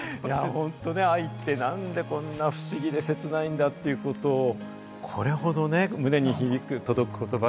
愛ってなんでこんな不思議で切ないんだということをこれほどね、胸に響く、届く言葉で。